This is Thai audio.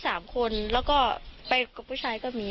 เพราะไม่เคยถามลูกสาวนะว่าไปทำธุรกิจแบบไหนอะไรยังไง